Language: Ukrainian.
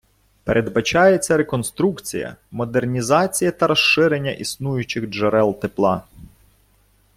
Передбачається реконструкція, модернізація та розширення існуючих джерел тепла.